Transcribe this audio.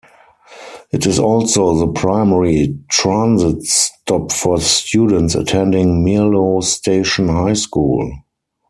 It is also the primary transit stop for students attending Merlo Station High School.